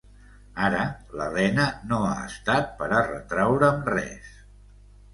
Ara, l'Elena no ha estat per a retraure'm res.